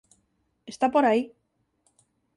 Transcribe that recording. Está por aí.